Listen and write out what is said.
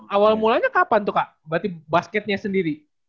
awal mulanya kapan tuh kak berarti basketnya sendiri